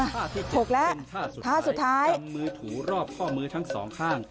ท่าที่๗เป็นท่าสุดท้ายลำมือถูรอบข้อมือทั้งสองข้างลำมือถูรอบข้อมือทั้งสองข้าง